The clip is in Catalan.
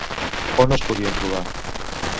On els podien trobar?